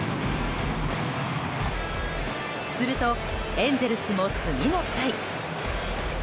すると、エンゼルスも次の回。